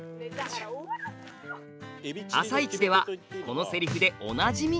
「あさイチ」ではこのセリフでおなじみ。